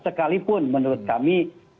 sekalipun menurut kami